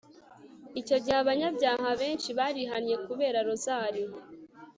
icyo gihe abanyabyaha benshi barihannye kubera rozari